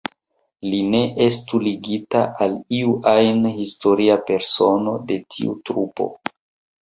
Li ne estu ligita al iu ajn historia persono de tiu trupo.